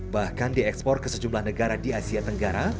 bahkan diekspor ke sejumlah negara di asia tenggara